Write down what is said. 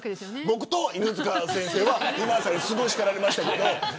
僕と犬塚先生は今田さんにすごい叱られましたよね。